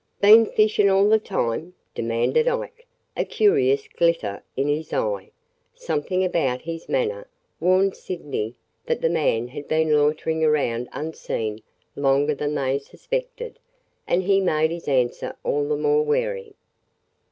"Been fishin' all the time?" demanded Ike, a curious glitter in his eye. Something about his manner warned Sydney that the man had been loitering around unseen longer than they suspected, and he made his answer all the more wary.